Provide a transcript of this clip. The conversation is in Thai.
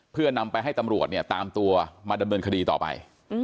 เพื่อนำไปให้ตำรวจเนี่ยตามตัวมาดำเนินคดีต่อไป